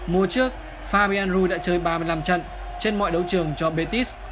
mùa trước fabian rui đã chơi ba mươi năm trận trên mọi đấu trường cho betis